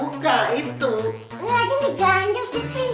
lagi diganjok si pris